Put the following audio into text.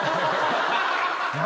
何？